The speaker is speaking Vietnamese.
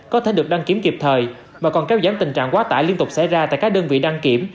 có thể được đăng kiểm kịp thời mà còn kéo giảm tình trạng quá tải liên tục xảy ra tại các đơn vị đăng kiểm